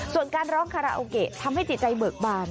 ส่วนการร้องคาราโอเกะทำให้จิตใจเบิกบาน